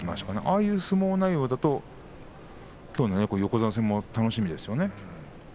ああいう相撲内容だときょうの横綱戦も楽しみですよね。